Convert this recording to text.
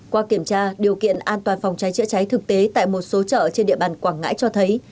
qua kiểm tra điều kiện an toàn phòng cháy chữa cháy thực tế tại một số chợ trên địa bàn quảng ngãi cho thấy